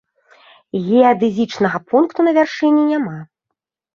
Геадэзічнага пункта на вяршыні няма.